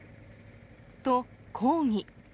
と、抗議。